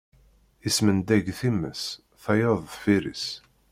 Ismendag times, tayeḍ deffir-s.